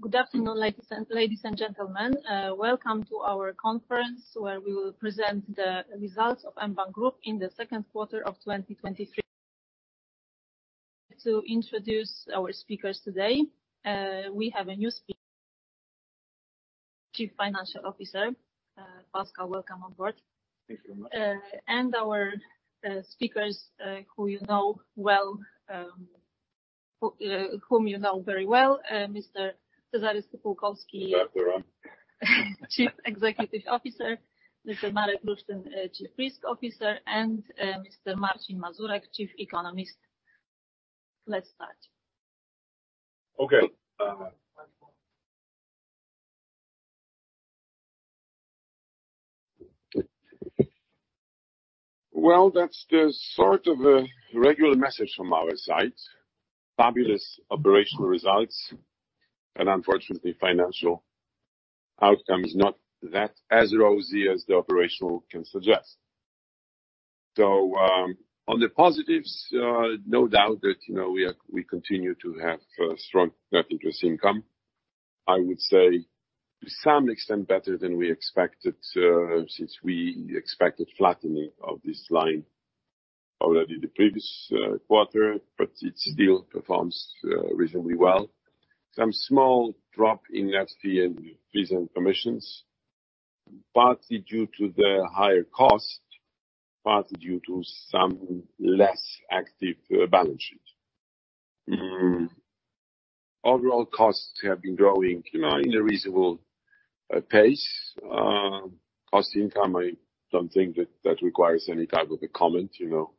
Good afternoon, ladies and gentlemen. Welcome to our conference, where we will present the results of mBank Group in the second quarter of 2023. To introduce our speakers today, we have a new speaker, Chief Financial Officer. Pascal, welcome on board. Thank you very much. Our speakers, who you know well, whom you know very well, Mr. Cezary Stypułkowski- Exactly right. Chief Executive Officer, Mr. Marek Lusztyn, Chief Risk Officer, and Mr. Marcin Mazurek, Chief Economist. Let's start. Okay. Well, that's the sort of a regular message from our side, fabulous operational results, unfortunately, financial outcome is not that as rosy as the operational can suggest. On the positives, you know, we continue to have strong Net Interest Income. I would say, to some extent, better than we expected, since we expected flattening of this line already the previous quarter, but it still performs reasonably well. Some small drop in our fees and commissions, partly due to the higher cost, partly due to some less active balance sheet. Overall costs have been growing, you know, in a reasonable pace. Cost income, I don't think that that requires any type of a comment, you know.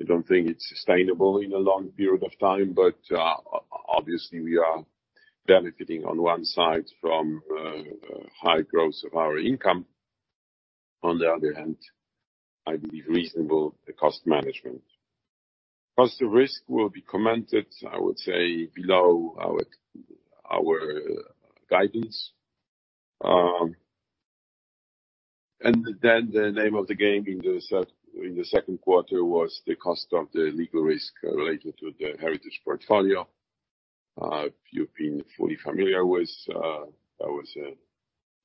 I don't think it's sustainable in a long period of time, but, obviously, we are benefiting on one side from high growth of our income. On the other hand, I believe reasonable the cost management. Cost of risk will be commented, I would say, below our guidance. Then, the name of the game in the second quarter was the cost of the legal risk related to the heritage portfolio. If you've been fully familiar with, that was a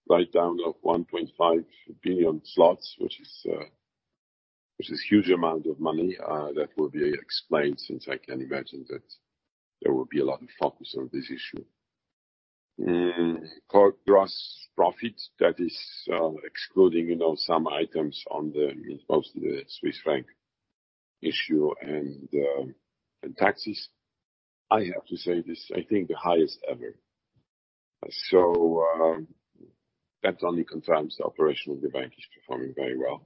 write-down of 1.5 billion zlotys, which is, which is huge amount of money, that will be explained, since I can imagine that there will be a lot of focus on this issue. Core gross profit, that is, excluding, you know, some items on the, most of the Swiss franc issue and the, and taxes. I have to say, this, I think, the highest ever. That only confirms the operation of the bank is performing very well.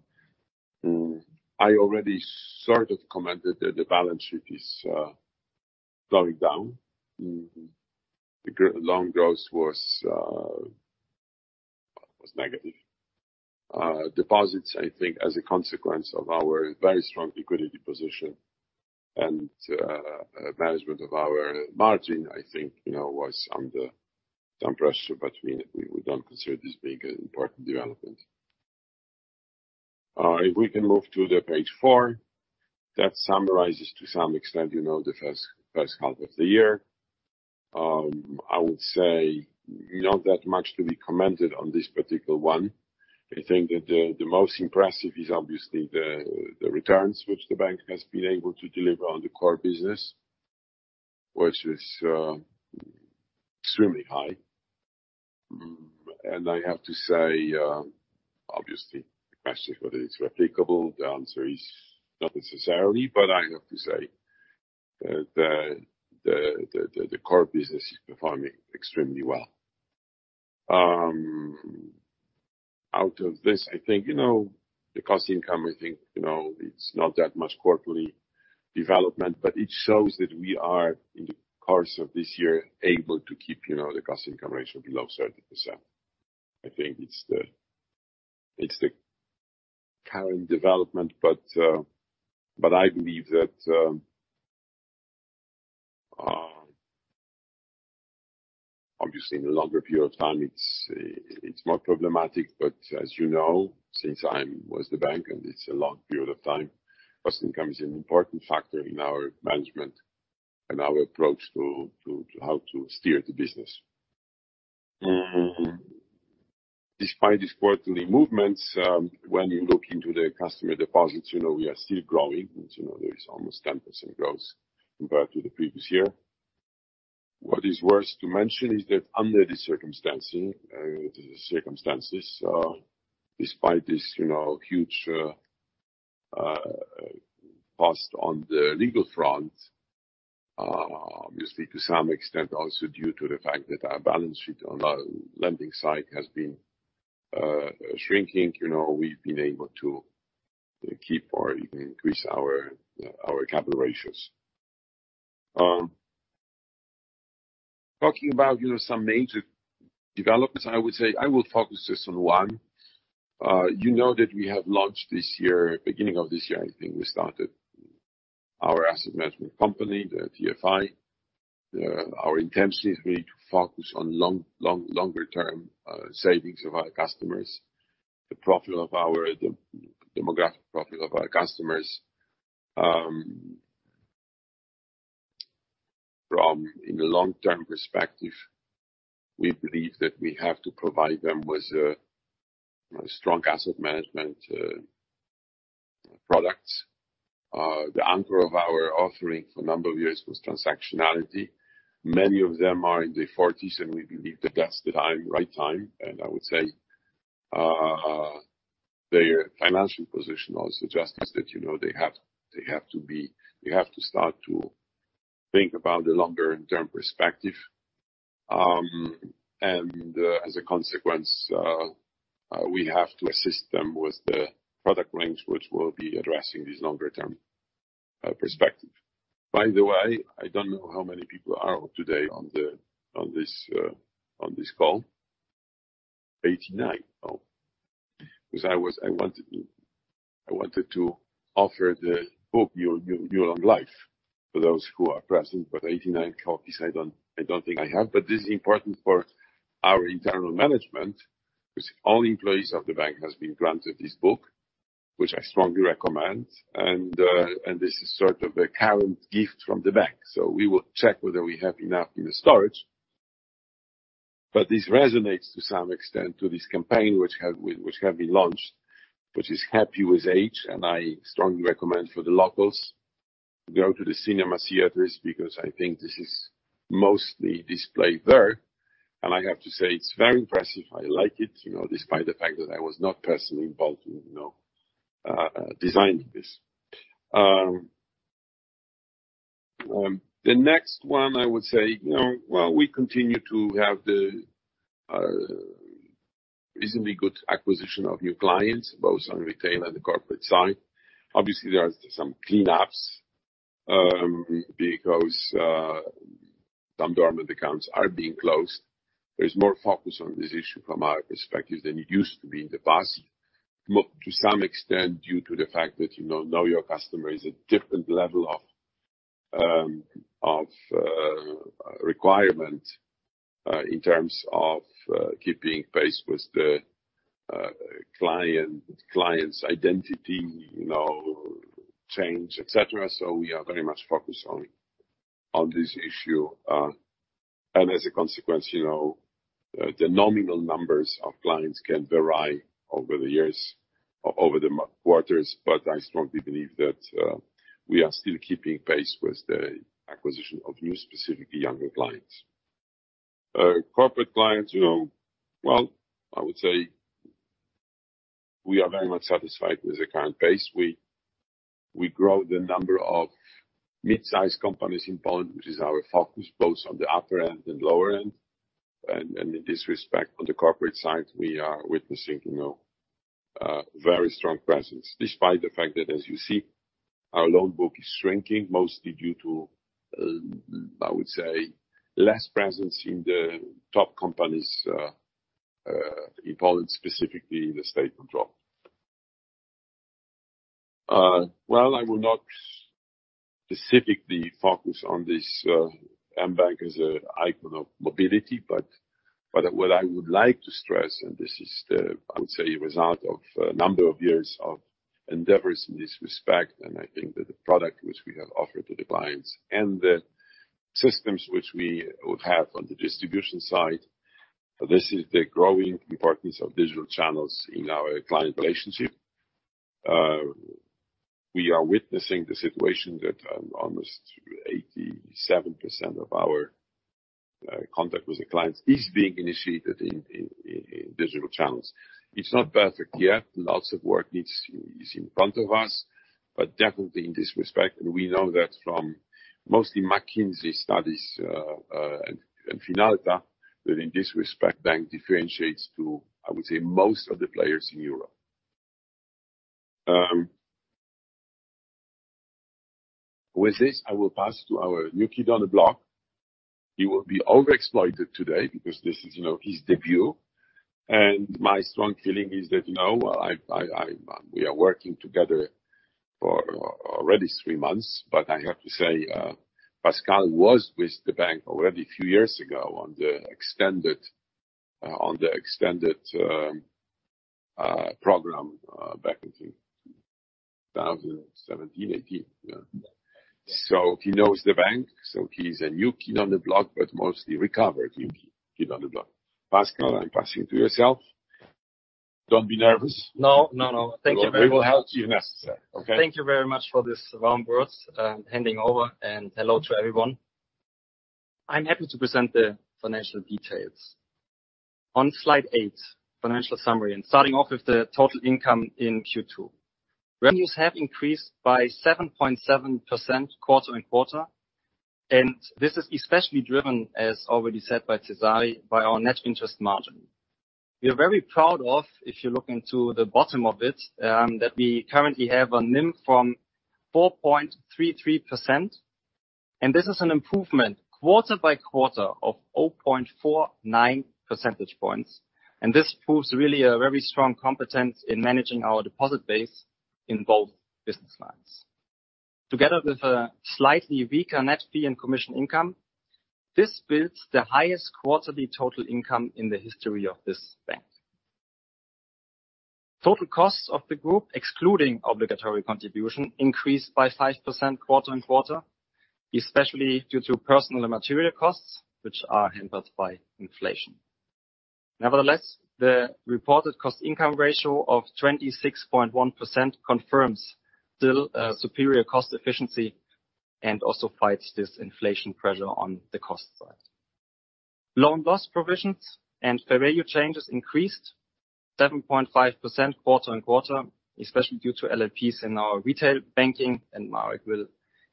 I already sort of commented that the balance sheet is going down. The loan growth was negative. Deposits, I think, as a consequence of our very strong liquidity position and management of our margin, I think, you know, was under some pressure, but we, we don't consider this being an important development. If we can move to the page four, that summarizes, to some extent, you know, the first, first half of the year. I would say not that much to be commented on this particular one. I think that the most impressive is obviously the returns which the bank has been able to deliver on the core business, which is extremely high. I have to say, obviously, the question is whether it's replicable, the answer is not necessarily. I have to say that the, the, the, the core business is performing extremely well. Out of this, I think, you know, the cost income, I think, you know, it's not that much quarterly development, but it shows that we are, in the course of this year, able to keep, you know, the cost income ratio below 30%. I think it's the, it's the current development. I believe that obviously, in the longer period of time, it's more problematic, but as you know, since I'm with the bank, and it's a long period of time, cost income is an important factor in our management and our approach to, to, how to steer the business. Despite these quarterly movements, when you look into the customer deposits, you know, we are still growing. You know, there is almost 10% growth compared to the previous year. What is worth to mention is that under the circumstancing, the circumstances, despite this, you know, huge cost on the legal front, obviously, to some extent, also due to the fact that our balance sheet on our lending side has been shrinking, you know, we've been able to keep or even increase our capital ratios. Talking about, you know, some major developments, I would say I will focus just on one. You know that we have launched this year, beginning of this year, I think we started our asset management company, the TFI. Our intention is really to focus on long, long, longer term savings of our customers, the profile of our the demographic profile of our customers. From, in the long-term perspective, we believe that we have to provide them with strong asset management products. The anchor of our offering for a number of years was transactionality. Many of them are in their 40s, and we believe that that's the time, right time, and I would say, their financial position also suggests that, you know, they have, they have to start to think about the longer-term perspective. As a consequence, we have to assist them with the product range, which will be addressing this longer-term perspective. I don't know how many people are on today on the, on this, on this call, 89. Because I wanted to, I wanted to offer the book, Your Long Life, for those who are present, but 89 copies, I don't, I don't think I have. This is important for our internal management, because all employees of the bank has been granted this book, which I strongly recommend, and, and this is sort of a current gift from the bank. We will check whether we have enough in the storage. This resonates to some extent to this campaign which have, which have been launched, which is Happy with Age, and I strongly recommend for the locals, go to the cinema theaters, because I think this is mostly displayed there. I have to say, it's very impressive. I like it, you know, despite the fact that I was not personally involved in, you know, designing this. The next one, I would say, you know, well, we continue to have the reasonably good acquisition of new clients, both on retail and the corporate side. Obviously, there are some cleanups, because some dormant accounts are being closed. There's more focus on this issue from our perspective than it used to be in the past, to some extent due to the fact that, you know, now your customer is a different level of requirement, in terms of keeping pace with the client, client's identity, you know, change, et cetera. We are very much focused on, on this issue. As a consequence, you know, the nominal numbers of clients can vary over the years, over the quarters, but I strongly believe that we are still keeping pace with the acquisition of new, specifically younger clients. Corporate clients, you know, well, I would say we are very much satisfied with the current pace. We grow the number of mid-sized companies in Poland, which is our focus, both on the upper end and lower end. In this respect, on the corporate side, we are witnessing, you know, very strong presence, despite the fact that, as you see, our loan book is shrinking, mostly due to, I would say, less presence in the top companies in Poland, specifically in the state control. Well, I will not specifically focus on this, mBank as an icon of mobility, but, but what I would like to stress, and this is the, I would say, a result of a number of years of endeavors in this respect, and I think that the product which we have offered to the clients and the systems which we would have on the distribution side, this is the growing importance of digital channels in our client relationship. We are witnessing the situation that, almost 87% of our contact with the clients is being initiated in, in, in, in digital channels. It's not perfect yet. Lots of work is in front of us, but definitely in this respect, and we know that from mostly McKinsey studies and Finalta, that in this respect, bank differentiates to, I would say, most of the players in Europe. With this, I will pass to our new kid on the block. He will be overexploited today because this is, you know, his debut. My strong feeling is that, you know, We are working together for already three months, but I have to say, Pascal was with the bank already a few years ago on the extended on the extended program back in 2017, 2018. Yeah. He knows the bank, so he's a new kid on the block, but mostly recovered new kid on the block. Pascal, I'm passing it to yourself. Don't be nervous. No, no, no. Thank you very much. We will help you if necessary, okay? Thank you very much for this warm words, handing over, and hello to everyone. I'm happy to present the financial details. On slide eight, financial summary, and starting off with the total income in Q2. Revenues have increased by 7.7% quarter-on-quarter, and this is especially driven, as already said by Cezary, by our Net Interest Margin. We are very proud of, if you look into the bottom of it, that we currently have a NIM from 4.33%, and this is an improvement quarter-by-quarter of 0.49 percentage points. It proves really a very strong competence in managing our deposit base in both business lines. Together with a slightly weaker Net Fee and Commission Income, this builds the highest quarterly total income in the history of this bank. Total costs of the group, excluding obligatory contribution, increased by 5% quarter-over-quarter, especially due to personal and material costs, which are hampered by inflation. Nevertheless, the reported cost income ratio of 26.1% confirms still superior cost efficiency and also fights this inflation pressure on the cost side. Loan loss provisions and fair value changes increased 7.5% quarter-over-quarter, especially due to LLPs in our retail banking, and Marek will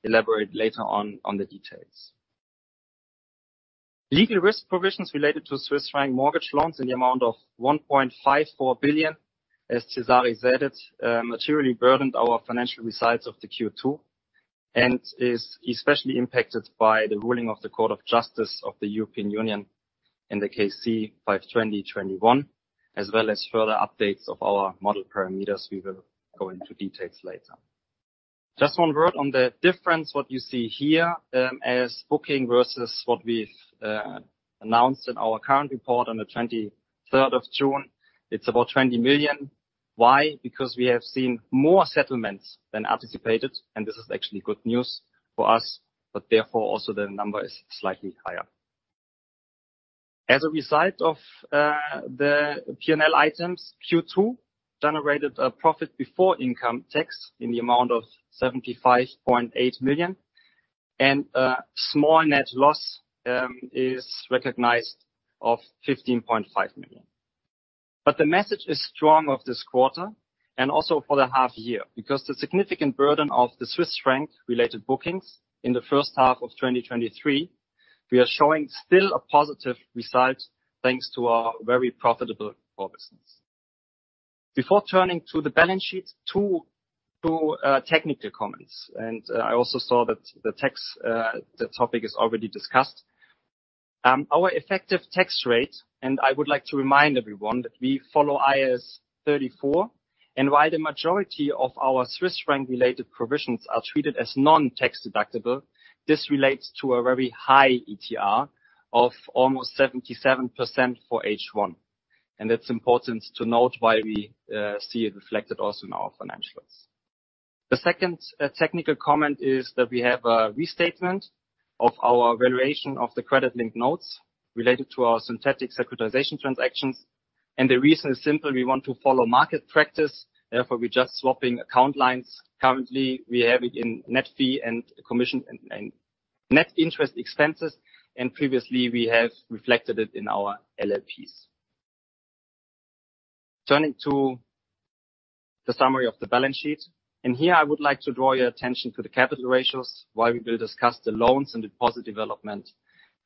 elaborate later on, on the details. Legal risk provisions related to Swiss franc mortgage loans in the amount of 1.54 billion, as Cezary said, materially burdened our financial results of the Q2, and is especially impacted by the ruling of the Court of Justice of the European Union in the C-5/21, as well as further updates of our model parameters. We will go into details later. Just one word on the difference, what you see here, as booking versus what we've announced in our current report on the 23rd of June. It's about 20 million. Why? Because we have seen more settlements than anticipated, and this is actually good news for us, but therefore, also the number is slightly higher. As a result of the P&L items, Q2 generated a profit before income tax in the amount of 75.8 million, a small net loss is recognized of 15.5 million. The message is strong of this quarter and also for the half year, because the significant burden of the Swiss franc related bookings in the first half of 2023, we are showing still a positive result, thanks to our very profitable core business. Before turning to the balance sheet, two, two technical comments. I also saw that the tax topic is already discussed. Our effective tax rate, and I would like to remind everyone that we follow IAS 34, and while the majority of our Swiss franc-related provisions are treated as non-tax deductible, this relates to a very high ETR of almost 77% for H1. It's important to note why we see it reflected also in our financials. The second technical comment is that we have a restatement of our valuation of the Credit-Linked Notes related to our synthetic securitization transactions. The reason is simple: we want to follow market practice, therefore, we're just swapping account lines. Currently, we have it in net fee and commission and net interest expenses, and previously, we have reflected it in our LLPs. Turning to the summary of the balance sheet, here I would like to draw your attention to the capital ratios, while we will discuss the loans and deposit development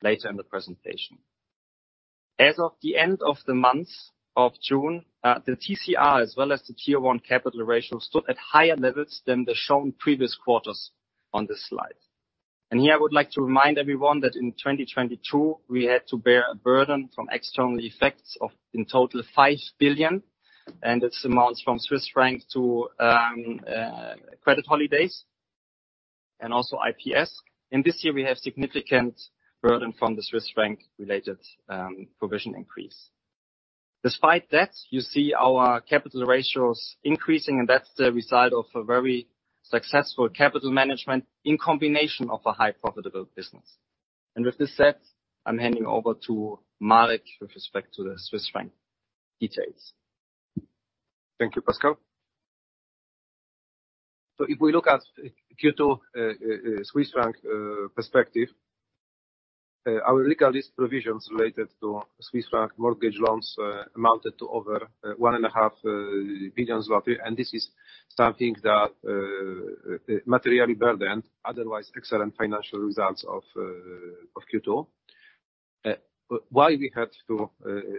later in the presentation. As of the end of the month of June, the TCR, as well as the Tier I capital ratio, stood at higher levels than the shown previous quarters on this slide. Here, I would like to remind everyone that in 2022, we had to bear a burden from external effects of, in total, 5 billion, and this amounts from Swiss franc to credit holidays and also IPS. In this year, we have significant burden from the Swiss franc-related provision increase. Despite that, you see our capital ratios increasing, that's the result of a very successful capital management in combination of a high profitable business. With this said, I'm handing over to Marek with respect to the Swiss franc details. Thank you, Pascal. If we look at Q2 Swiss franc perspective, our legal risk provisions related to Swiss franc mortgage loans amounted to over 1.5 billion zloty, and this is something that materially burdened otherwise excellent financial results of Q2. Why we had to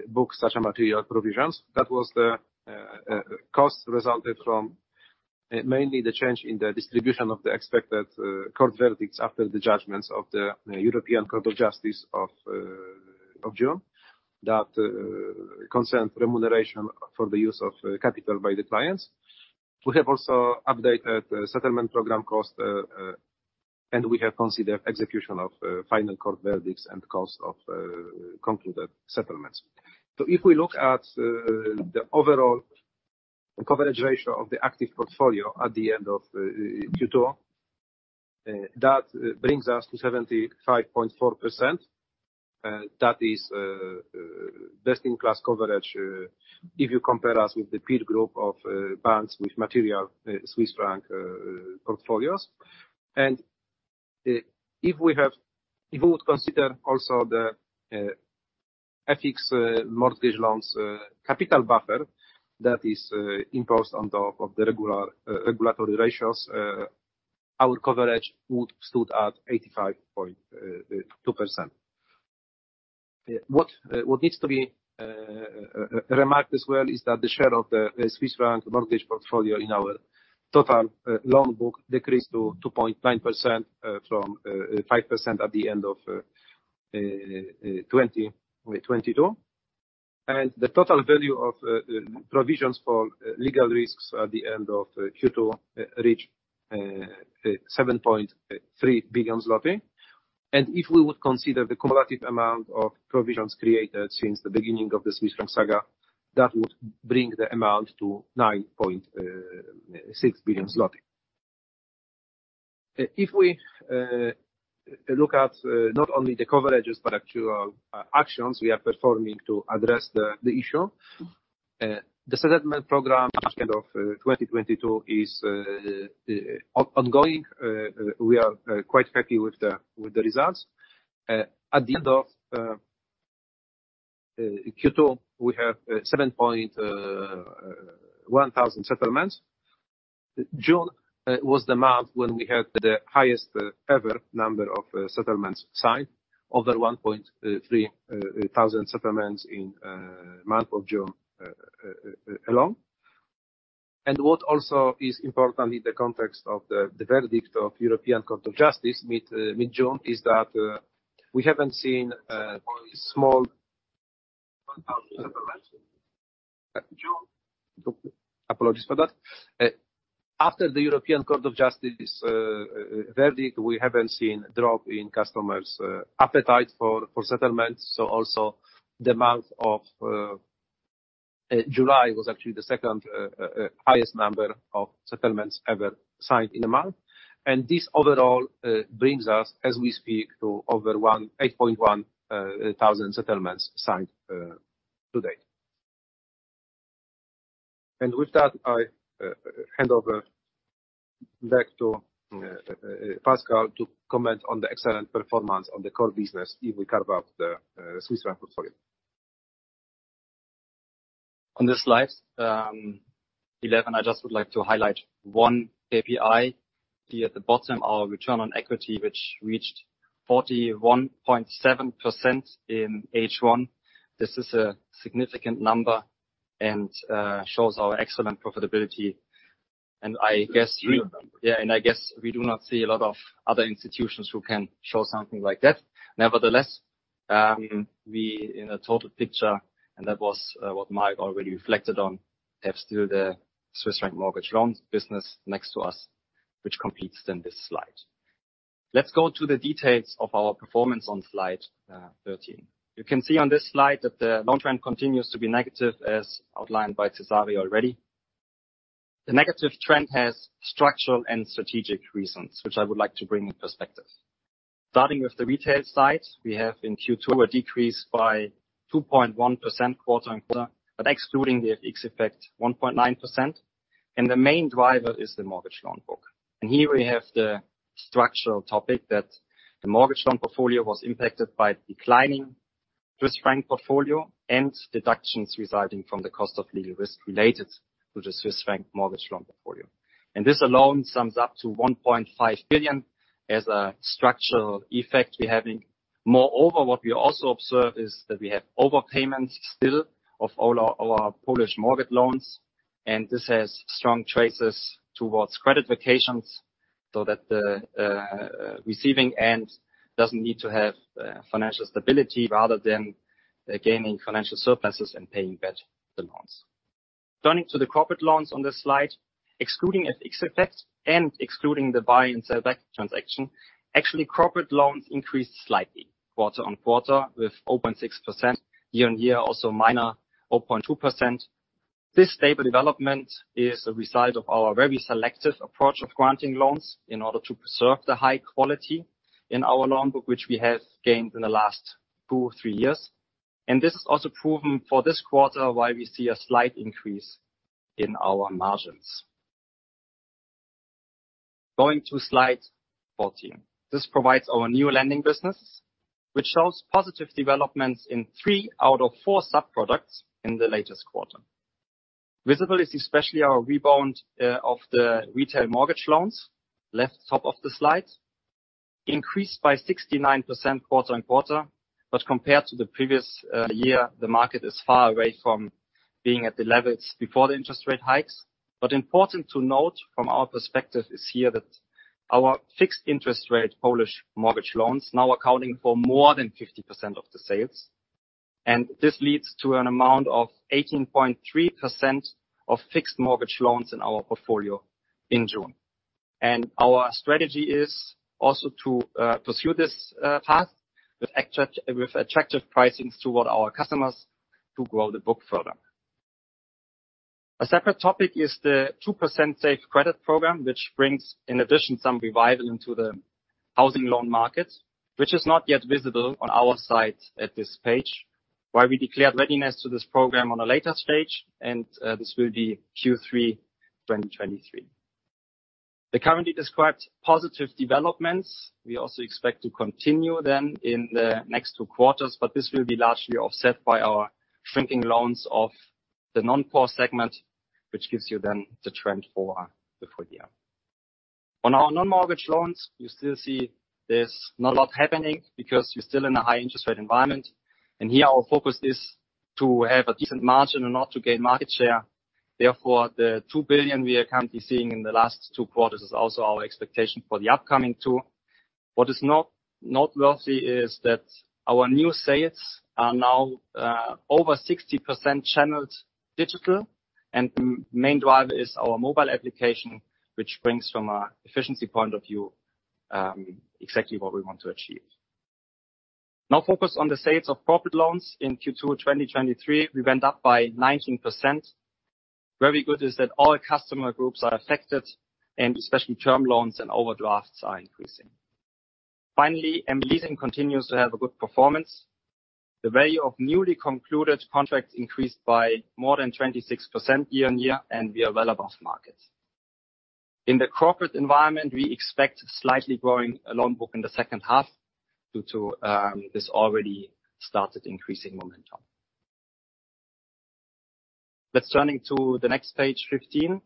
book such material provisions? That was the cost resulted from mainly the change in the distribution of the expected court verdicts after the judgments of the European Court of Justice of June, that concerned remuneration for the use of capital by the clients. We have also updated the settlement program cost, and we have considered execution of final court verdicts and cost of concluded settlements. If we look at the overall coverage ratio of the active portfolio at the end of Q2, that brings us to 75.4%. That is best-in-class coverage, if you compare us with the peer group of banks with material Swiss franc portfolios. If we would consider also the FX mortgage loans capital buffer that is imposed on top of the regular regulatory ratios, our coverage would stood at 85.2%. What needs to be remarked as well is that the share of the Swiss franc mortgage portfolio in our total loan book decreased to 2.9% from 5% at the end of 2022. The total value of provisions for legal risks at the end of Q2 reached 7.3 billion zloty. If we would consider the cumulative amount of provisions created since the beginning of the Swiss franc saga, that would bring the amount to 9.6 billion zloty. If we look at not only the coverages, but actual actions we are performing to address the issue, the settlement program at end of 2022 is ongoing. We are quite happy with the results. At the end of Q2, we have 7,100 settlements. June was the month when we had the highest ever number of settlements signed, over 1,300 settlements in month of June alone. What also is important in the context of the verdict of European Court of Justice, mid-June, is that we haven't seen small 1,000 settlements. Apologies for that. After the European Court of Justice verdict, we haven't seen a drop in customers' appetite for settlements. Also the month of July was actually the second highest number of settlements ever signed in a month. This overall brings us, as we speak, to over 8,100 settlements signed to date. With that, I hand over back to Pascal, to comment on the excellent performance on the core business, if we carve out the Swiss franc portfolio. On this slide, 11, I just would like to highlight one KPI. Here at the bottom, our return on equity, which reached 41.7% in H1. This is a significant number and shows our excellent profitability. I guess. Yeah. Yeah, I guess we do not see a lot of other institutions who can show something like that. Nevertheless, we in a total picture, and that was what Marek already reflected on, have still the Swiss franc mortgage loans business next to us, which competes in this slide. Let's go to the details of our performance on slide 13. You can see on this slide that the long trend continues to be negative, as outlined by Cezary already. The negative trend has structural and strategic reasons, which I would like to bring in perspective. Starting with the retail side, we have in Q2, a decrease by 2.1% quarter-over-quarter, but excluding the FX effect, 1.9%. The main driver is the mortgage loan book. Here we have the structural topic that the mortgage loan portfolio was impacted by declining Swiss franc portfolio and deductions resulting from the cost of legal risk related to the Swiss franc mortgage loan portfolio. This alone sums up to 1.5 billion as a structural effect we're having. Moreover, what we also observe is that we have overpayments still of all our, our Polish mortgage loans, and this has strong traces towards credit vacations, so that the receiving end doesn't need to have financial stability rather than gaining financial surpluses and paying back the loans. Turning to the corporate loans on this slide, excluding FX effects and excluding the buy and sell back transaction, actually, corporate loans increased slightly quarter-on-quarter with 4.6%, year-on-year, also minor, 4.2%. This stable development is a result of our very selective approach of granting loans in order to preserve the high quality in our loan book, which we have gained in the last two, three years. This is also proven for this quarter, why we see a slight increase in our margins. Going to slide 14. This provides our new lending business, which shows positive developments in three out of four sub-products in the latest quarter. Visible is especially our rebound of the retail mortgage loans, left top of the slide, increased by 69% quarter-on-quarter, compared to the previous year, the market is far away from being at the levels before the interest rate hikes. Important to note from our perspective is here that our fixed interest rate Polish mortgage loans now accounting for more than 50% of the sales, and this leads to an amount of 18.3% of fixed mortgage loans in our portfolio in June. Our strategy is also to pursue this path with attractive pricing toward our customers to grow the book further. A separate topic is the 2% Safe Credit program, which brings, in addition, some revival into the housing loan market, which is not yet visible on our site at this page. Why we declared readiness to this program on a later stage, and this will be Q3 2023. The currently described positive developments, we also expect to continue then in the next 2 quarters. This will be largely offset by our shrinking loans of the non-core segment, which gives you then the trend for the full year. On our non-mortgage loans, you still see there's not a lot happening because you're still in a high interest rate environment. Here our focus is to have a decent margin and not to gain market share. Therefore, the 2 billion we are currently seeing in the last two quarters is also our expectation for the upcoming two. What is not noteworthy is that our new sales are now over 60% channeled digital. The main driver is our mobile application, which brings from a efficiency point of view exactly what we want to achieve. Now focus on the sales of profit loans. In Q2, 2023, we went up by 19%. Very good is that all customer groups are affected, especially term loans and overdrafts are increasing. Finally, mLeasing continues to have a good performance. The value of newly concluded contracts increased by more than 26% year-on-year, and we are well above market. In the corporate environment, we expect slightly growing loan book in the second half due to this already started increasing momentum. Let's turning to the next page, 15.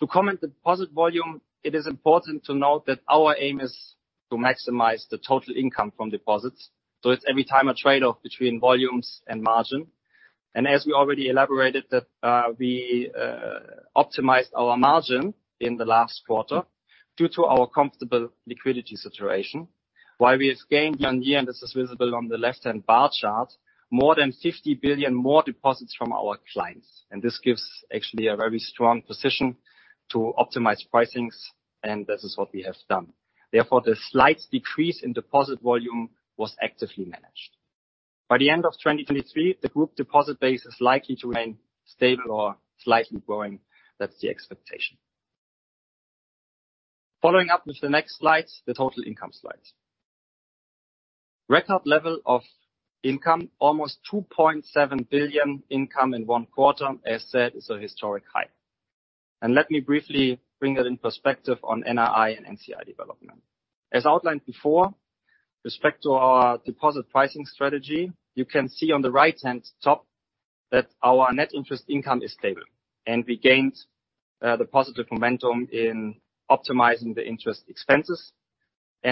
To comment the deposit volume, it is important to note that our aim is to maximize the total income from deposits, so it's every time a trade-off between volumes and margin. As we already elaborated that we optimized our margin in the last quarter due to our comfortable liquidity situation, while we have gained year-on-year, and this is visible on the left-hand bar chart, more than 50 billion more deposits from our clients. This gives actually a very strong position to optimize pricings, and this is what we have done. Therefore, the slight decrease in deposit volume was actively managed. By the end of 2023, the group deposit base is likely to remain stable or slightly growing. That's the expectation. Following up with the next slide, the total income slide. Record level of income, almost 2.7 billion income in one quarter, as said, is a historic high. Let me briefly bring that in perspective on NII and NCI development. As outlined before, respect to our deposit pricing strategy, you can see on the right-hand top that our net interest income is stable, we gained the positive momentum in optimizing the interest expenses,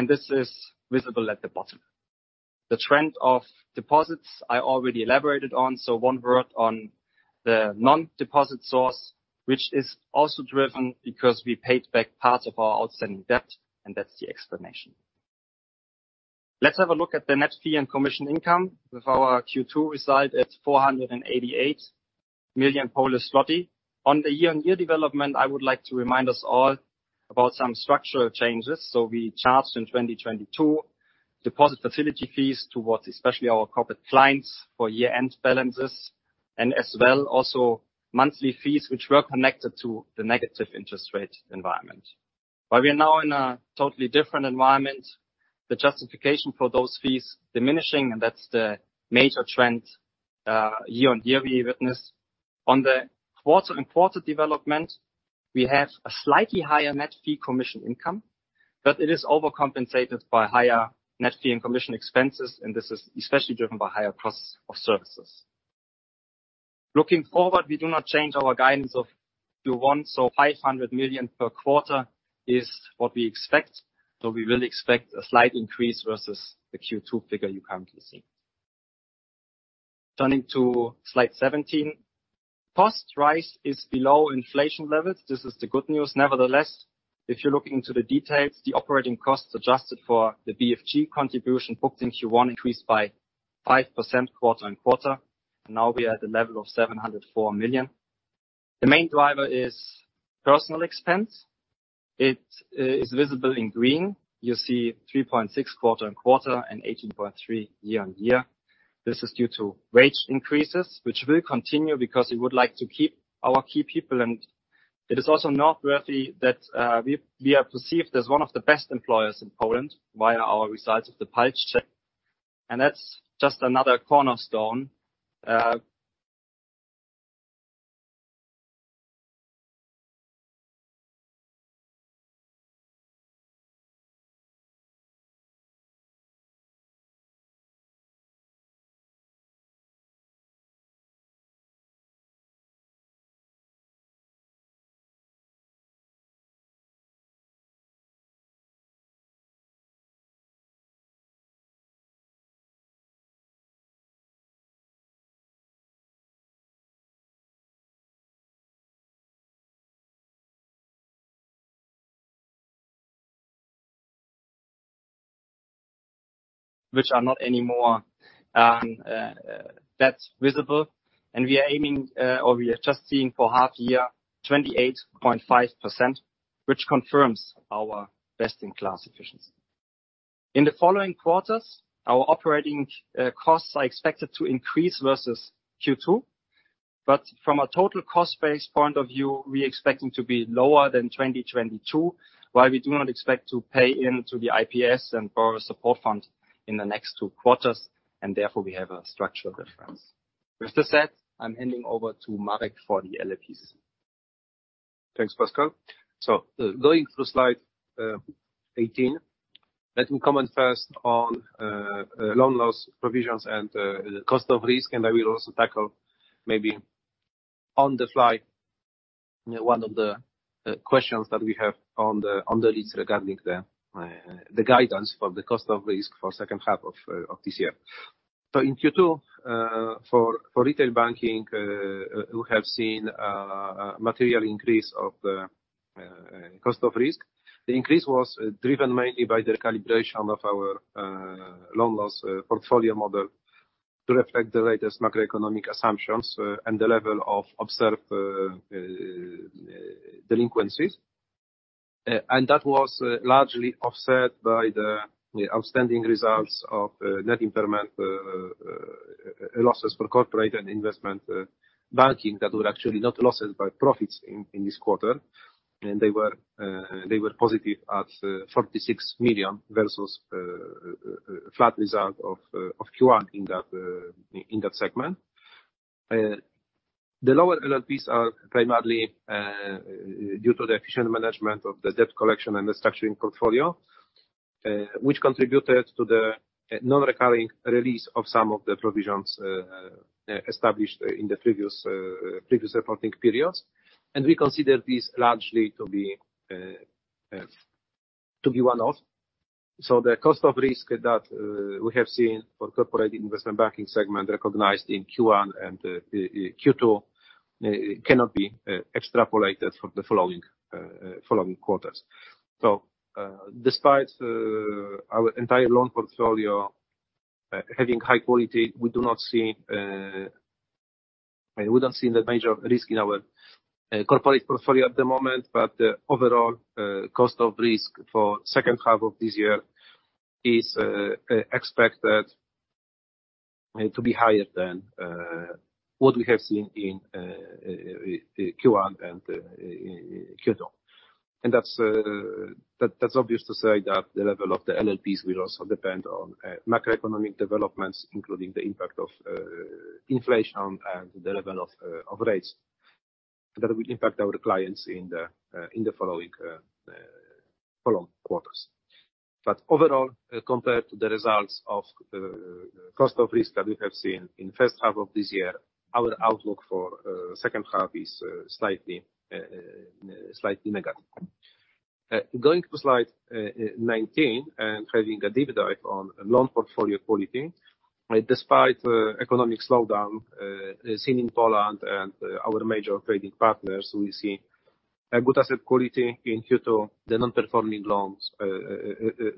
this is visible at the bottom. The trend of deposits I already elaborated on, one word on the non-deposit source, which is also driven because we paid back part of our outstanding debt, that's the explanation. Let's have a look at the net fee and commission income, with our Q2 result at 488 million Polish zloty. On the year-on-year development, I would like to remind us all about some structural changes. We charged in 2022 deposit facility fees towards especially our corporate clients for year-end balances, as well, also monthly fees, which were connected to the negative interest rate environment. While we are now in a totally different environment, the justification for those fees diminishing, and that's the major trend, year-on-year we witness. On the quarter-on-quarter development, we have a slightly higher net fee commission income, but it is overcompensated by higher net fee and commission expenses, this is especially driven by higher costs of services. Looking forward, we do not change our guidance of Q1, 500 million per quarter is what we expect. We will expect a slight increase versus the Q2 figure you currently see. Turning to slide 17. Cost rise is below inflation levels. This is the good news. Nevertheless, if you're looking into the details, the operating costs adjusted for the BFG contribution booked in Q1 increased by 5% quarter-on-quarter, now we are at the level of 704 million. The main driver is personal expense. It is visible in green. You see 3.6 quarter-on-quarter and 18.3 year-on-year. This is due to wage increases, which will continue because we would like to keep our key people, and it is also noteworthy that we are perceived as one of the best employers in Poland via our results of the pulse check. That's just another cornerstone, Which are not anymore that visible, and we are aiming or we are just seeing for half-year, 28.5%, which confirms our best-in-class efficiency. In the following quarters, our operating costs are expected to increase versus Q2, but from a total cost base point of view, we expecting to be lower than 2022, while we do not expect to pay into the IPS and Borrowers' Support Fund in the next 2 quarters. Therefore we have a structural difference. With this said, I'm handing over to Marek for the LLPs. Thanks, Pascal. Going to slide 18, let me comment first on Loan Loss Provisions and the cost of risk, and I will also tackle, maybe on the fly, one of the questions that we have on the leads regarding the guidance for the cost of risk for second half of this year. In Q2, for retail banking, we have seen a material increase of the cost of risk. The increase was driven mainly by the calibration of our loan loss portfolio model to reflect the latest macroeconomic assumptions and the level of observed delinquencies. That was largely offset by the, the outstanding results of net impairment losses for corporate and investment banking, that were actually not losses, but profits in, in this quarter. They were they were positive at 46 million versus flat result of Q1 in that in that segment. The lower LLPs are primarily due to the efficient management of the debt collection and the structuring portfolio, which contributed to the non-recurring release of some of the provisions established in the previous previous reporting periods. We consider this largely to be to be one-off. The cost of risk that we have seen for corporate investment banking segment, recognized in Q1 and Q2, cannot be extrapolated for the following following quarters. Despite our entire loan portfolio having high quality, we do not see-- we don't see the major risk in our corporate portfolio at the moment, but the overall cost of risk for second half of this year is expected to be higher than what we have seen in Q1 and Q2. That's, that's obvious to say that the level of the LLPs will also depend on macroeconomic developments, including the impact of inflation and the level of rates, that will impact our clients in the following following quarters. Overall, compared to the results of cost of risk that we have seen in first half of this year, our outlook for second half is slightly slightly negative. Going to slide 19, and having a deep dive on loan portfolio quality. Despite the economic slowdown, seen in Poland and our major trading partners, we see a good asset quality in Q2. The non-performing loans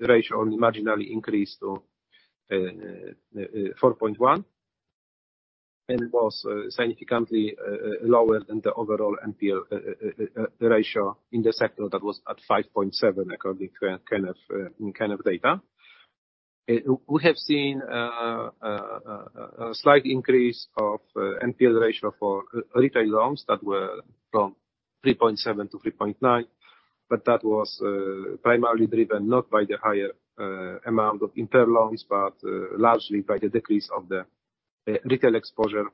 ratio only marginally increased to 4.1%, and was significantly lower than the overall NPL ratio in the sector that was at 5.7%, according to KNF data. We have seen a slight increase of NPL ratio for retail loans that were from 3.7% to 3.9%, but that was primarily driven not by the higher amount of impaired loans, but largely by the decrease of the retail exposure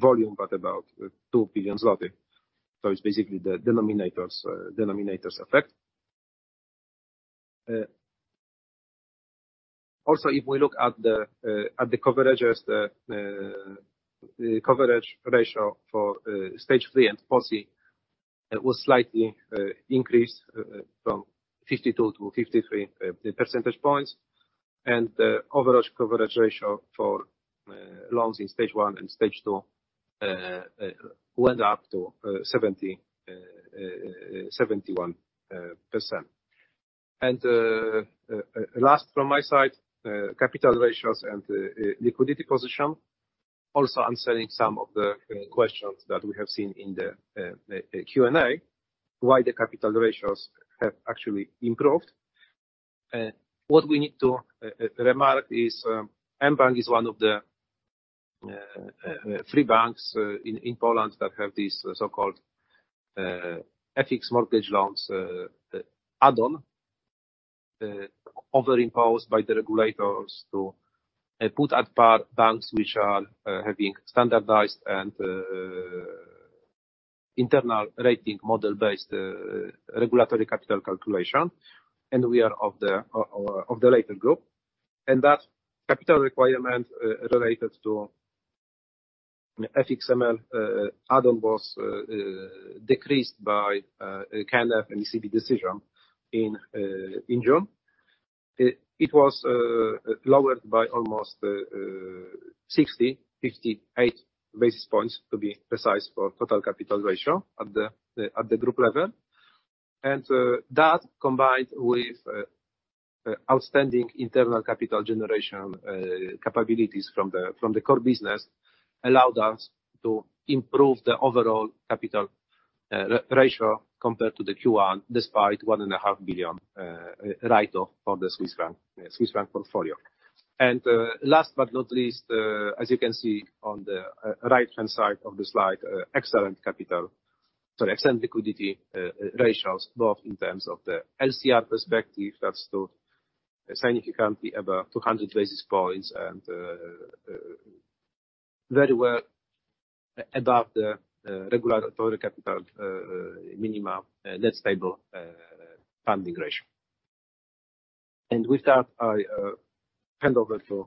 volume, by about 2 billion zloty. It's basically the denominators, denominators effect. Also, if we look at the, at the coverages, the, the coverage ratio for, stage three and four, it was slightly, increased, from 52 to 53 percentage points. The overall coverage ratio for, loans in stage one and stage two, went up to 71%. Last from my side, capital ratios and, liquidity position. Also answering some of the, questions that we have seen in the, Q&A, why the capital ratios have actually improved. What we need to remark is mBank is one of the three banks in Poland that have this so-called FX mortgage loans add-on over imposed by the regulators to put apart banks which are having standardized and internal rating model-based regulatory capital calculation, and we are of the latter group. That capital requirement related to FXML add-on was decreased by KNF and ECB decision in June. It was lowered by almost 60, 58 basis points, to be precise, for total capital ratio at the group level. That, combined with outstanding internal capital generation capabilities from the core business, allowed us to improve the overall capital ratio compared to the Q1, despite 1.5 billion write-off of the Swiss bank portfolio. Last but not least, as you can see on the right-hand side of the slide, excellent capital-- sorry, excellent liquidity ratios, both in terms of the LCR perspective, that's still significantly above 200 basis points and very well above the regulatory capital minimum Net Stable Funding Ratio. With that, I hand over to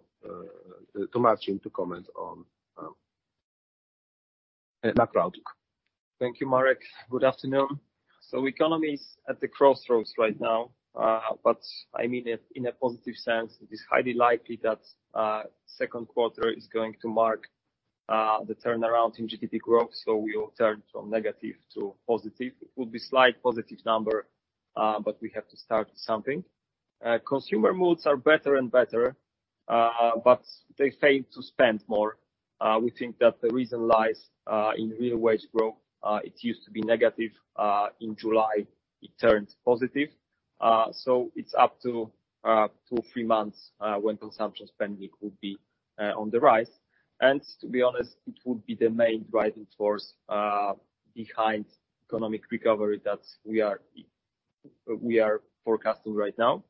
Marcin to comment on macro-outlook. Thank you, Marek. Good afternoon. Economy is at the crossroads right now, but I mean it in a positive sense. It is highly likely that second quarter is going to mark the turnaround in GDP growth, so we will turn from negative to positive. It will be slight positive number, but we have to start something. Consumer moods are better and better, but they fail to spend more. We think that the reason lies in real wage growth. It used to be negative in July, it turned positive. It's up to two, three months when consumption spending will be on the rise. To be honest, it would be the main driving force behind economic recovery that we are, we are forecasting right now.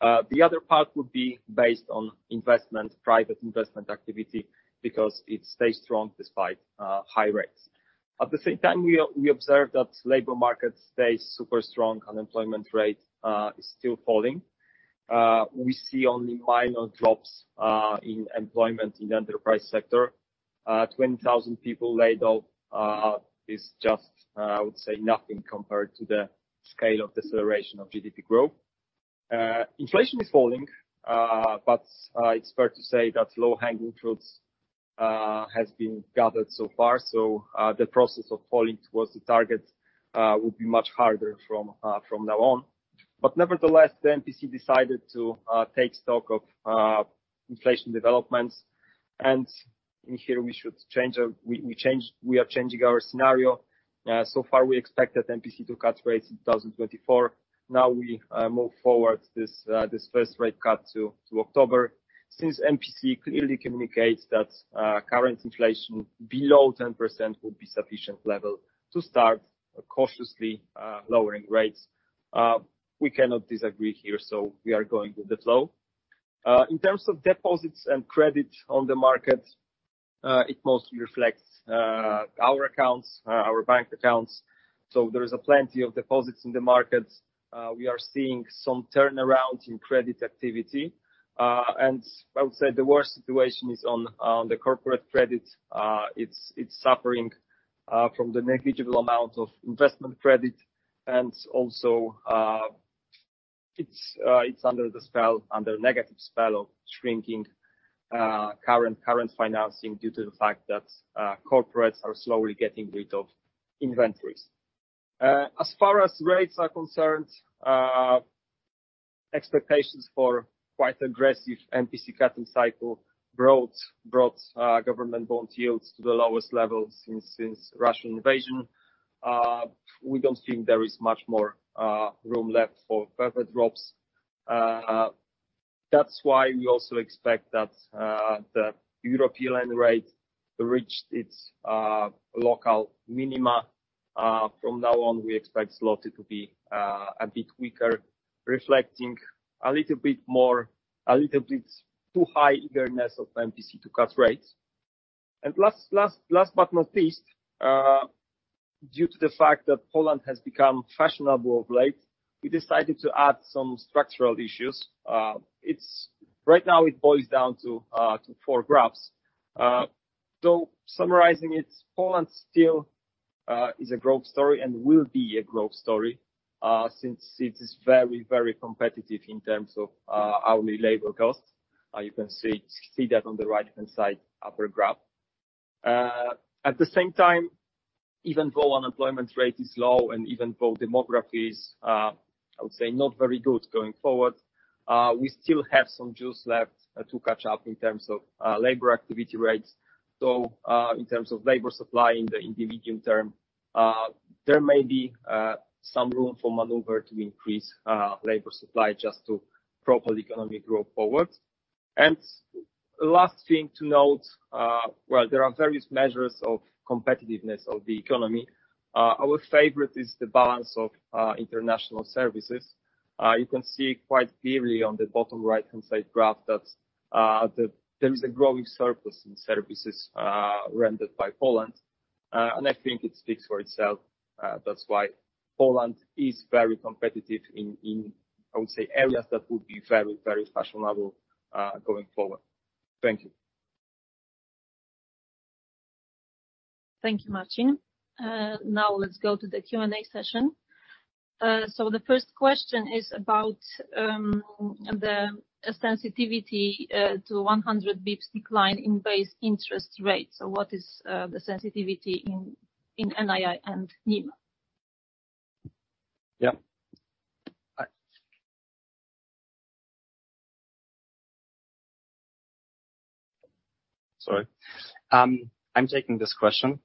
The other part would be based on investment, private investment activity, because it stays strong despite high rates. We, we observe that labor market stays super strong. Unemployment rate is still falling. We see only minor drops in employment in the enterprise sector. 20,000 people laid off is just, I would say, nothing compared to the scale of deceleration of GDP growth. Inflation is falling, but it's fair to say that low-hanging fruits has been gathered so far. The process of falling towards the target will be much harder from from now on. Nevertheless, the NPC decided to take stock of inflation developments, in here we are changing our scenario. So far, we expected NPC to cut rates in 2024. Now we move forward this first rate cut to October. Since NPC clearly communicates that current inflation below 10% will be sufficient level to start cautiously lowering rates, we cannot disagree here, we are going with the flow. In terms of deposits and credit on the market, it mostly reflects our accounts, our bank accounts, there is a plenty of deposits in the market. We are seeing some turnarounds in credit activity. I would say the worst situation is on the corporate credit. It's, it's suffering from the negligible amount of investment credit, and also, it's, it's under the spell, under negative spell of shrinking current, current financing due to the fact that corporates are slowly getting rid of inventories. As far as rates are concerned, expectations for quite aggressive NPC cutting cycle brought, brought government bond yields to the lowest level since Russian invasion. We don't think there is much more room left for further drops. That's why we also expect that the European rate reached its local minima. From now on, we expect złoty to be a bit weaker, reflecting a little bit more, a little bit too high eagerness of NPC to cut rates. Last, last, last but not least, due to the fact that Poland has become fashionable of late, we decided to add some structural issues. Right now, it boils down to four graphs. Summarizing it, Poland still is a growth story and will be a growth story, since it is very, very competitive in terms of hourly labor cost. You can see, see that on the right-hand side, upper graph. At the same time, even though unemployment rate is low and even though demography is, I would say not very good going forward, we still have some juice left, to catch up in terms of labor activity rates. In terms of labor supply in the individual term, there may be some room for maneuver to increase labor supply just to propel economic growth forward. Last thing to note, well, there are various measures of competitiveness of the economy. Our favorite is the balance of international services. You can see quite clearly on the bottom right-hand side graph that there is a growing surplus in services rendered by Poland, and I think it speaks for itself. That's why Poland is very competitive in, in, I would say, areas that would be very, very fashionable going forward. Thank you. Thank you, Marcin. Now let's go to the Q&A session. The first question is about the sensitivity to 100 basis points decline in base interest rates. What is the sensitivity in NII and NIM? Yeah. Sorry. I'm taking this question.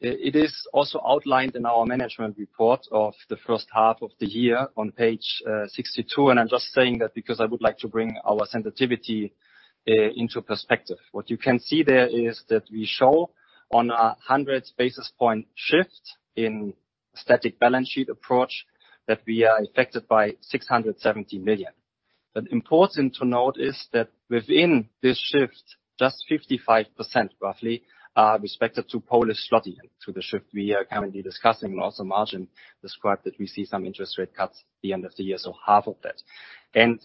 It is also outlined in our management report of the first half of the year on page 62, and I'm just saying that because I would like to bring our sensitivity into perspective. What you can see there is that we show on a 100 basis point shift in static balance sheet approach, that we are affected by 670 million. Important to note is that within this shift, just 55%, roughly, are respected to Polish złoty. To the shift we are currently discussing, and also Marcin described that we see some interest rate cuts at the end of the year, so half of that.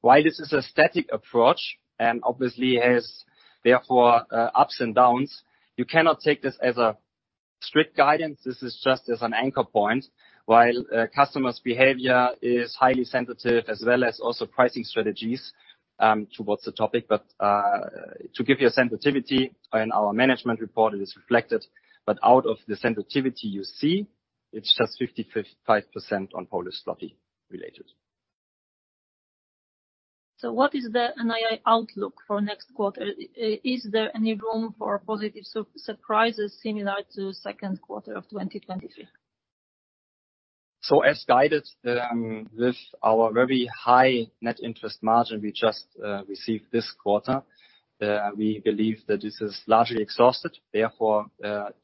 While this is a static approach and obviously has, therefore, ups and downs, you cannot take this as a- strict guidance, this is just as an anchor point, while, customers' behavior is highly sensitive, as well as also pricing strategies, towards the topic. To give you a sensitivity in our management report, it is reflected, but out of the sensitivity you see, it's just 5% on Polish złoty related. What is the NII outlook for next quarter? Is there any room for positive surprises, similar to second quarter of 2023? As guided, with our very high net interest margin, we just received this quarter, we believe that this is largely exhausted. Therefore,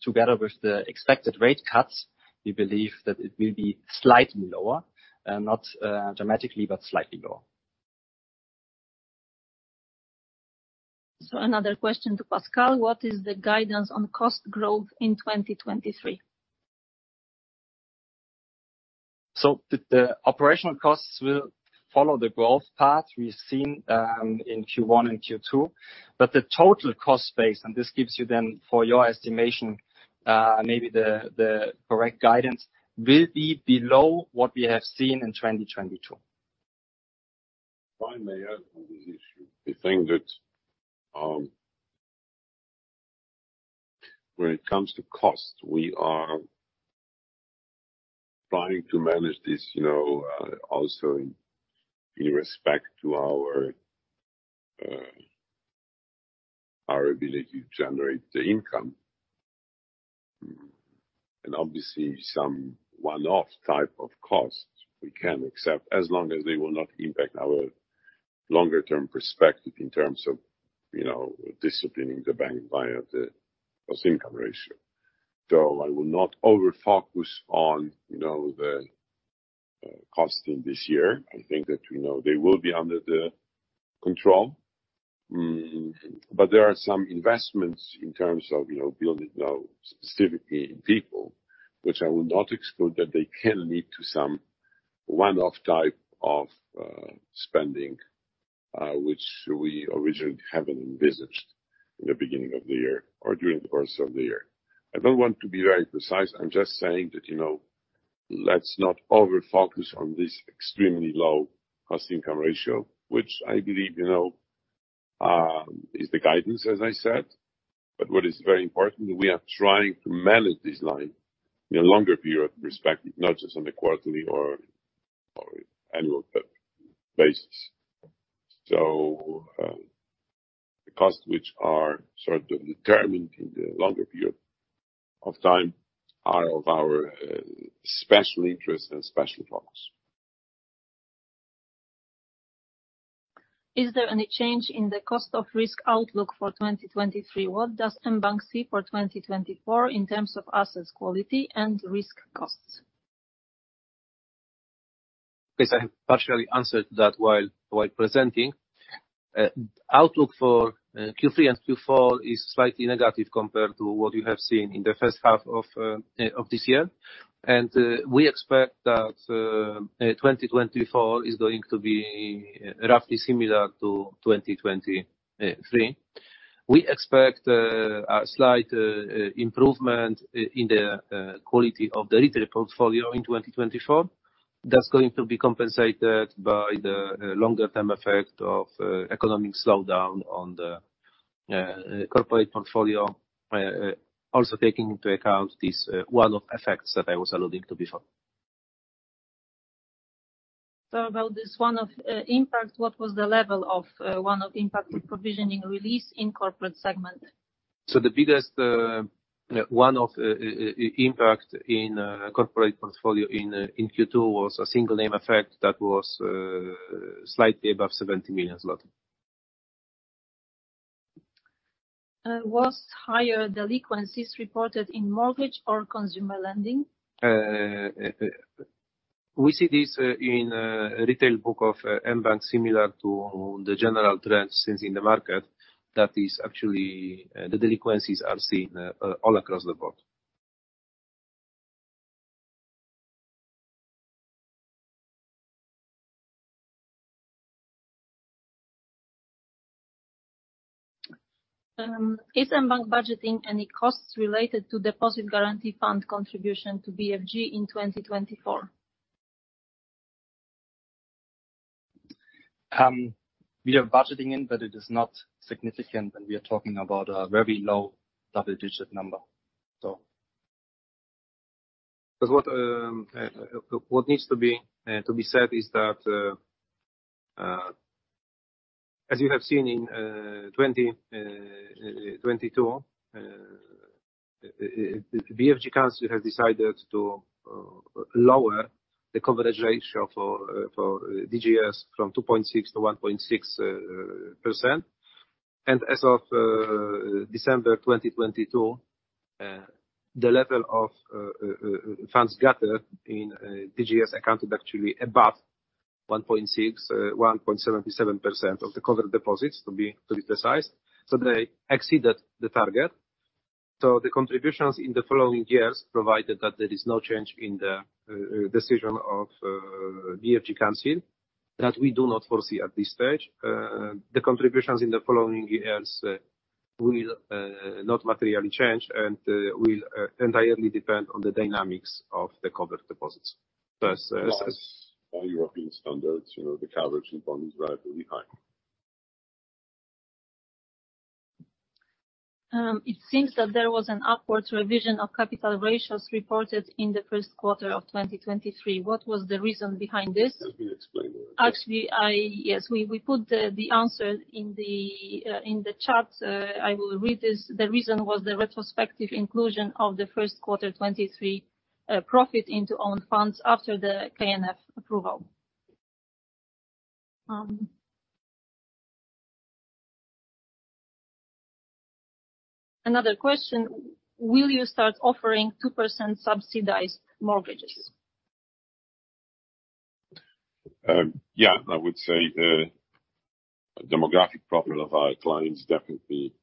together with the expected rate cuts, we believe that it will be slightly lower, not dramatically, but slightly lower. Another question to Pascal: What is the guidance on cost growth in 2023? The, the operational costs will follow the growth path we've seen, in Q1 and Q2, but the total cost base, and this gives you then, for your estimation, maybe the, the correct guidance, will be below what we have seen in 2022. If I may add on this issue. We think that, when it comes to cost, we are trying to manage this, you know, also in, in respect to our, our ability to generate the income. Obviously, some one-off type of costs we can accept, as long as they will not impact our longer-term perspective in terms of, you know, disciplining the bank via the cost-income ratio. I will not over-focus on, you know, the costs in this year. I think that, you know, they will be under the control. There are some investments in terms of, you know, building out, specifically in people, which I will not exclude, that they can lead to some one-off type of spending, which we originally haven't envisaged in the beginning of the year or during the course of the year. I don't want to be very precise, I'm just saying that, you know, let's not over-focus on this extremely low cost-income ratio, which I believe, you know, is the guidance, as I said. What is very important, we are trying to manage this line in a longer period perspective, not just on a quarterly or annual basis. The costs which are sort of determined in the longer period of time are of our special interest and special focus. Is there any change in the cost of risk outlook for 2023? What does mBank see for 2024 in terms of assets quality and risk costs? Yes, I partially answered that while, while presenting. Outlook for Q3 and Q4 is slightly negative compared to what you have seen in the first half of this year. We expect that 2024 is going to be roughly similar to 2023. We expect a slight improvement in the quality of the retail portfolio in 2024. That's going to be compensated by the longer-term effect of economic slowdown on the corporate portfolio, also taking into account this one-off effects that I was alluding to before. About this one-off impact, what was the level of one-off impact with provisioning release in corporate segment? The biggest one-off impact in corporate portfolio in Q2, was a single name effect that was slightly above PLN 70 million. Was higher delinquencies reported in mortgage or consumer lending? We see this in retail book of mBank, similar to the general trends since in the market. That is actually the delinquencies are seen all across the board. Is mBank budgeting any costs related to Deposit Guarantee Fund contribution to BFG in 2024? We are budgeting it, but it is not significant, and we are talking about a very low double-digit number, so. What needs to be said is that, as you have seen in 2022, Bank Guarantee Fund Council has decided to lower the coverage ratio for DGS from 2.6% to 1.6%. As of December 2022, the level of funds gathered in DGS accounted actually above 1.6%, 1.77% of the covered deposits, to be precise, so they exceeded the target. The contributions in the following years, provided that there is no change in the decision of Bank Guarantee Fund Council. That we do not foresee at this stage. The contributions in the following years will not materially change and will entirely depend on the dynamics of the covered deposits. Thus, as- By European standards, you know, the coverage in Poland is relatively high. It seems that there was an upwards revision of capital ratios reported in the first quarter of 2023. What was the reason behind this? As we explained. Actually, I... Yes, we, we put the, the answer in the chat. I will read this. The reason was the retrospective inclusion of the first quarter 23 profit into own funds after the KNF approval. Another question: Will you start offering 2% subsidized mortgages? Yeah, I would say, the demographic profile of our clients definitely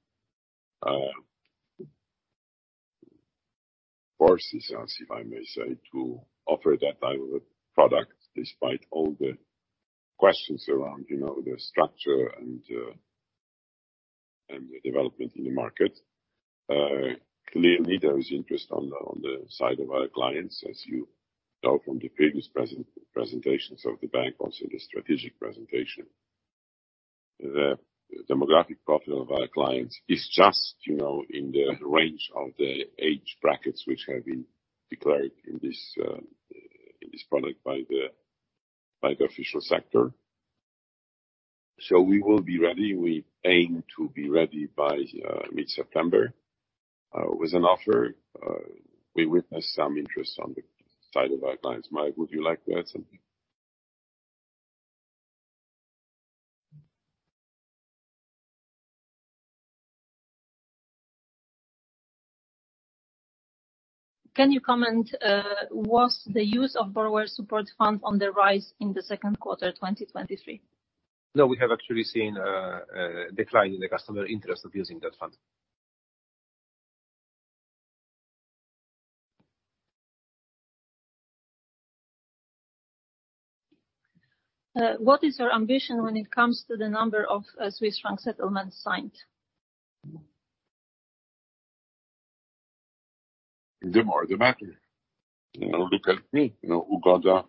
forces us, if I may say, to offer that type of product, despite all the questions around, you know, the structure and the development in the market. Clearly, there is interest on the, on the side of our clients, as you know, from the previous present- presentations of the bank, also in the strategic presentation. The demographic profile of our clients is just, you know, in the range of the age brackets, which have been declared in this in this product by the, by the official sector. We will be ready. We aim to be ready by mid-September with an offer. We witnessed some interest on the side of our clients. Marek, would you like to add something? Can you comment, was the use of Borrowers' Support Fund on the rise in Q2 2023? No, we have actually seen a decline in the customer interest of using that fund. What is your ambition when it comes to the number of Swiss franc settlements signed? The more, the better. You know, look at me, you know, who got the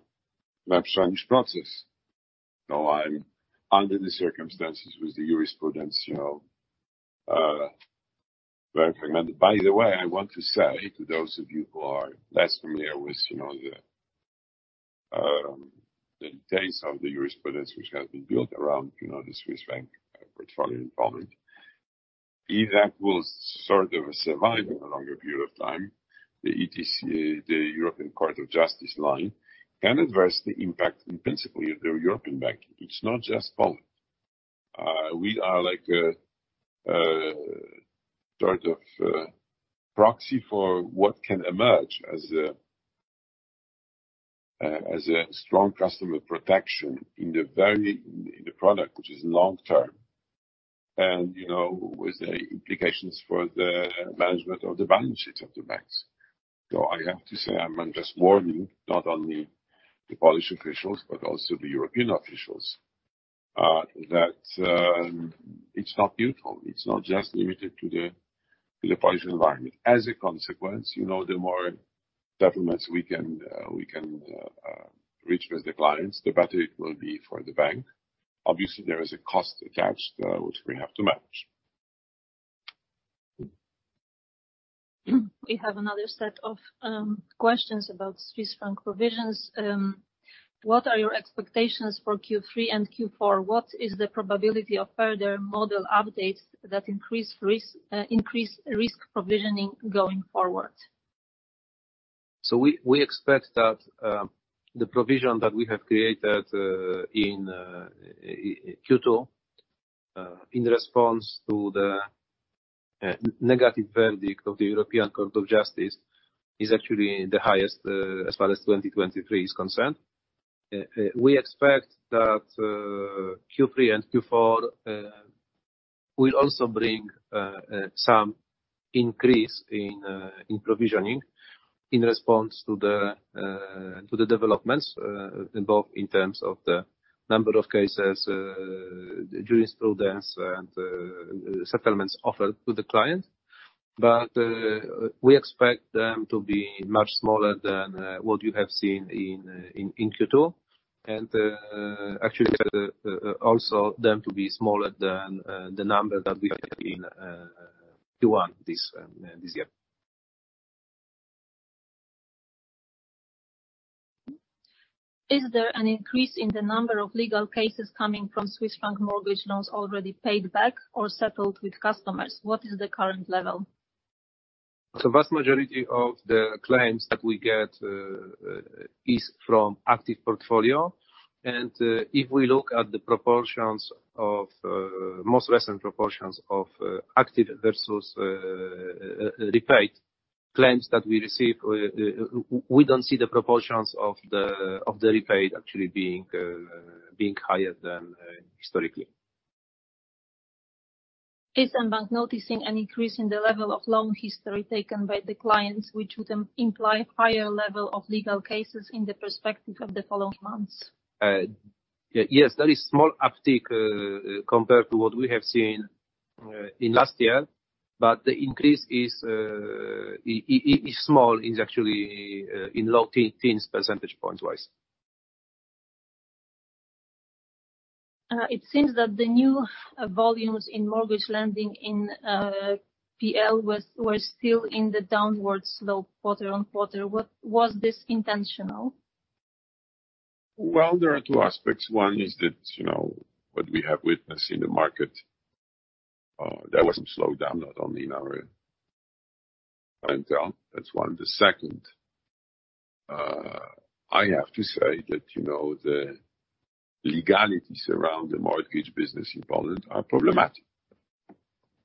web change process. Now, I'm under the circumstances with the jurisprudence, you know, very fragmented. By the way, I want to say to those of you who are less familiar with, you know, the details of the jurisprudence, which has been built around, you know, the Swiss bank portfolio in Poland, if that will sort of survive in a longer period of time, the ECJ, the European Court of Justice line, can adversely impact, in principle, the European Bank. It's not just Poland. We are like a sort of proxy for what can emerge as a strong customer protection in the very, in, in the product, which is long-term, and, you know, with the implications for the management of the balance sheet of the banks. I have to say, I'm just warning not only the Polish officials, but also the European officials, that it's not beautiful. It's not just limited to the, to the Polish environment. As a consequence, you know, the more governments we can, we can, reach with the clients, the better it will be for the bank. Obviously, there is a cost attached, which we have to manage. We have another set of questions about Swiss franc provisions. What are your expectations for Q3 and Q4? What is the probability of further model updates that increase risk, increase risk provisioning going forward? We, we expect that the provision that we have created in Q2, in response to the negative verdict of the European Court of Justice, is actually the highest as far as 2023 is concerned. We expect that Q3 and Q4 will also bring some increase in provisioning, in response to the developments, both in terms of the number of cases, jurisprudence and settlements offered to the client. We expect them to be much smaller than what you have seen in Q2. Actually, also them to be smaller than the number that we had in Q1 this year. Is there an increase in the number of legal cases coming from Swiss franc mortgage loans already paid back or settled with customers? What is the current level? The vast majority of the claims that we get, is from active portfolio. If we look at the proportions of, most recent proportions of, active versus, repaid claims that we receive, we don't see the proportions of the, of the repaid actually being, being higher than, historically.... Is mBank noticing an increase in the level of loan history taken by the clients, which would imply higher level of legal cases in the perspective of the following months? Yeah, yes, there is small uptick, compared to what we have seen, in last year, but the increase is small, is actually, in low teens percentage points wise. It seems that the new volumes in mortgage lending in PL were still in the downward slope quarter on quarter. Was this intentional? Well, there are two aspects. One is that, you know, what we have witnessed in the market, there was some slowdown, not only in our clientele, that's one. The second, I have to say that, you know, the legalities around the mortgage business in Poland are problematic.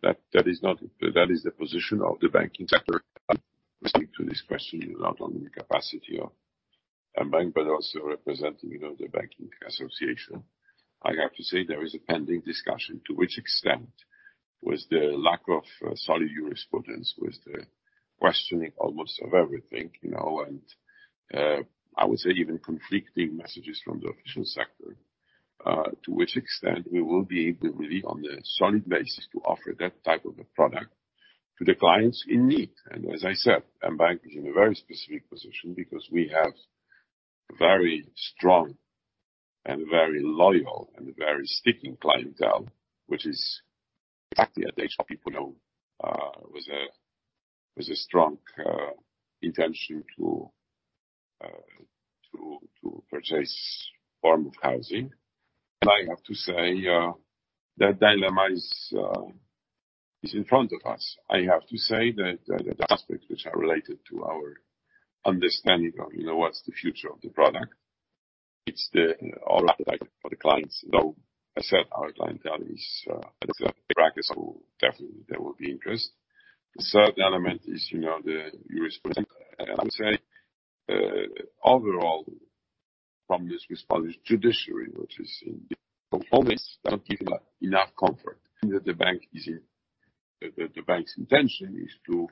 That, that is not... That is the position of the banking sector. I speak to this question not only in the capacity of mBank, but also representing, you know, the banking association. I have to say there is a pending discussion to which extent was the lack of solid jurisprudence, with the questioning almost of everything, you know, and, I would say even conflicting messages from the official sector, to which extent we will be able, really, on the solid basis, to offer that type of a product to the clients in need. As I said, mBank is in a very specific position because we have very strong and very loyal, and very sticking clientele, which is exactly at age of people with a with a strong intention to to to purchase form of housing. I have to say that dilemma is in front of us. I have to say that, that, that aspects which are related to our understanding of, you know, what's the future of the product, it's the all for the clients. Though, I said our clientele is practice, so definitely there will be interest. The third element is, you know, the jurisprudence. I would say, overall, from this Polish judiciary, which is in always not giving enough comfort that the bank is in. That the, the bank's intention is to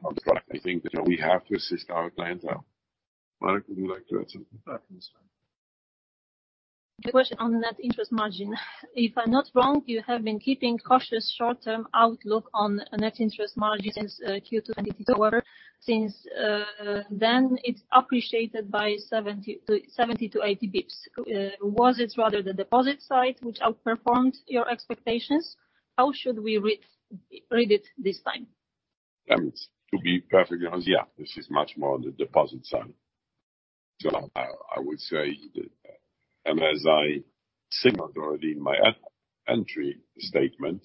construct. I think that we have to assist our clientele. Marek, would you like to add something? Yes. The question on net interest margin. If I'm not wrong, you have been keeping cautious short-term outlook on net interest margin since Q2 and H2. Since then, it's appreciated by 70 to 80 basis points. Was it rather the deposit side which outperformed your expectations? How should we read it this time? To be perfectly honest, yeah, this is much more on the deposit side. I, I would say that, and as I signaled already in my entry statement,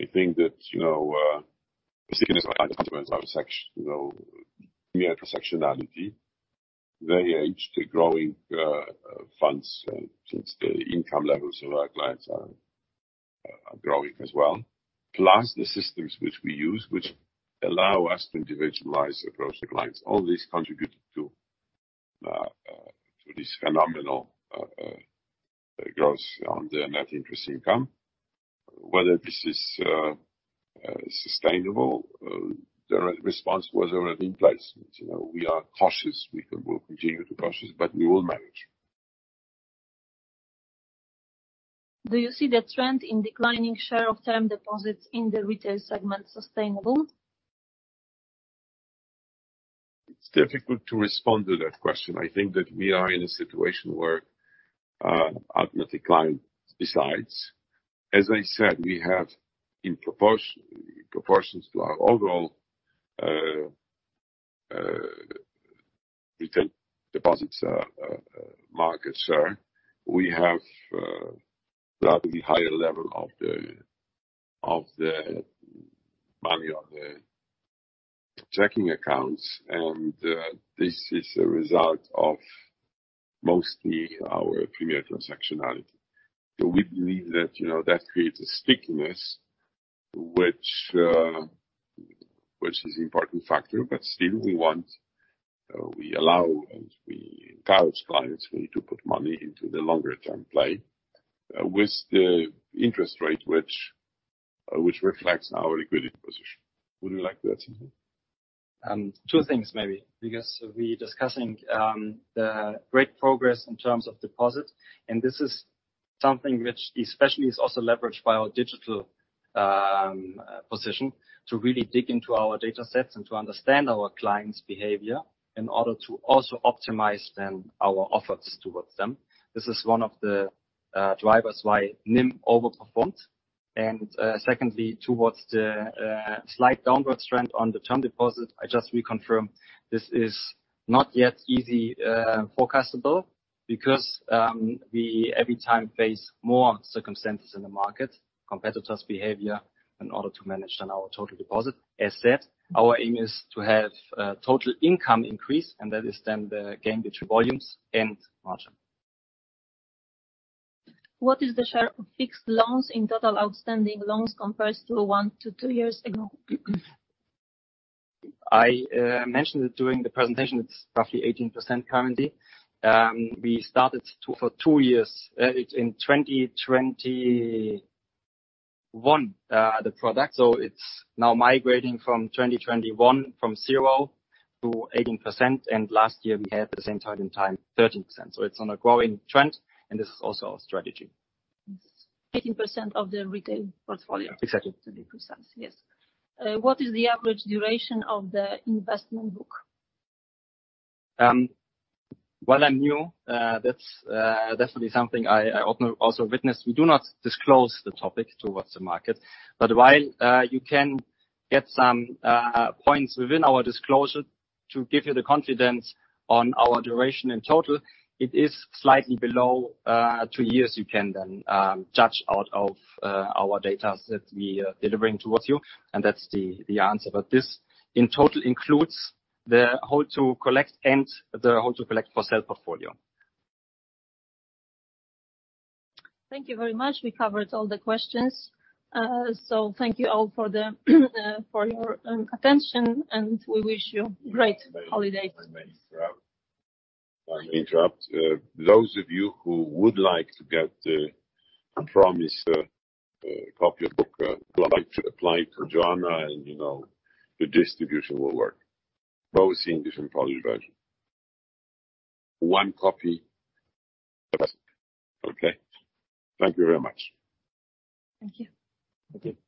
I think that, you know, section, you know, mere sectionality, very aged to growing funds, since the income levels of our clients are growing as well, plus the systems which we use, which allow us to individualize approach the clients. All these contributed to to this phenomenal growth on the net interest income. Whether this is sustainable, the response was already in place. You know, we are cautious, we will continue to be cautious, but we will manage. Do you see the trend in declining share of term deposits in the retail segment sustainable? It's difficult to respond to that question. I think that we are in a situation where, automatic client, besides, as I said, we have in proportion, proportions to our overall, retail deposits, market share. We have, rather the higher level of the, of the money on the checking accounts, and, this is a result of mostly our premier transactionality. We believe that, you know, that creates a stickiness, which, which is important factor. Still we want, we allow and we encourage clients really to put money into the longer-term play, with the interest rate, which, which reflects our liquidity position. Would you like to add something? Two things maybe, because we're discussing the great progress in terms of deposit, and this is something which especially is also leveraged by our digital position, to really dig into our data sets and to understand our clients' behavior in order to also optimize then our offers towards them. This is one of the drivers why NIM overperformed. Secondly, towards the slight downward trend on the term deposit, I just reconfirm this is not yet easy forecastable because we every time face more circumstances in the market, competitors' behavior, in order to manage then our total deposit. As said, our aim is to have total income increase, and that is then the game between volumes and margin. What is the share of fixed loans in total outstanding loans compared to one to two years ago? I mentioned it during the presentation, it's roughly 18% currently. We started to... for 2 years, it's in 2021, the product. It's now migrating from 2021, from 0% to 18%, and last year we had the same time in time, 13%. It's on a growing trend, and this is also our strategy. It's 18% of the retail portfolio? Exactly. To be precise, yes. What is the average duration of the investment book? Well, I'm new, that's definitely something I also witnessed. We do not disclose the topic towards the market, but while you can get some points within our disclosure to give you the confidence on our duration in total, it is slightly below two years. You can then judge out of our data that we are delivering towards you, and that's the answer. This, in total, includes the hold to collect and the hold to collect for sale portfolio. Thank you very much. We covered all the questions. Thank you all for the, for your attention, and we wish you great holidays. I may interrupt. Those of you who would like to get a promised copy of book would like to apply it to Joanna, you know, the distribution will work. Both English and Polish version. One copy. Okay. Thank you very much. Thank you. Thank you.